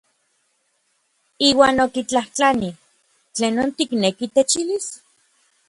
Iuan okitlajtlanij: ¿Tlenon tikneki techilis?